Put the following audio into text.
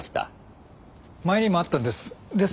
前にもあったんです。